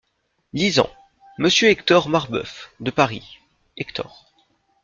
Lisant. "Monsieur Hector Marbeuf… de Paris." Hector.